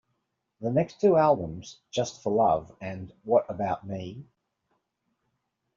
The next two albums, "Just for Love" and "What About Me?